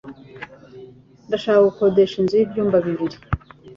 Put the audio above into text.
Ndashaka gukodesha inzu y'ibyumba bibiri.